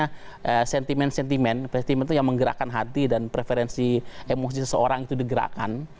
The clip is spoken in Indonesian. karena sentimen sentimen sentimen itu yang menggerakkan hati dan preferensi emosi seseorang itu digerakkan